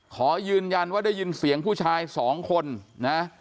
ขอยืนยันว่าได้ยินเสียงผู้ชายสองคนนะ